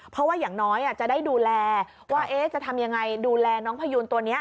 เพราะว่าอย่างน้อยจะได้ดูแลว่าจะทำยังไงดูแลน้องพยูนตัวนี้